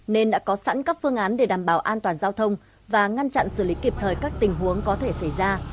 nên đã có sẵn các phương án để đảm bảo an toàn giao thông và ngăn chặn xử lý kịp thời các tình huống có thể xảy ra